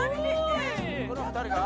この２人が？